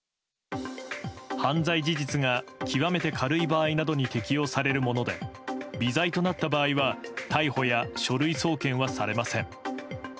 犯罪事実が極めて軽い場合などに適用されるもので微罪となった場合は逮捕や書類送検はされません。